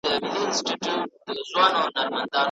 تاسو به له سختو ورځو وروسته اسانتیا ومومئ.